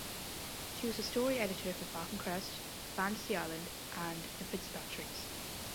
She was the story editor for "Falcon Crest", "Fantasy Island" and "The Fitzpatricks".